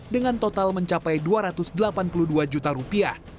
dengan total mencapai rp dua ratus delapan puluh dua